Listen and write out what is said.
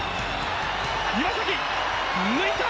岩崎抜いた！